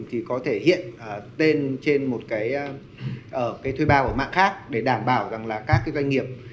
thì có thể hiện tên trên một cái thuê bao của mạng khác để đảm bảo rằng là các cái doanh nghiệp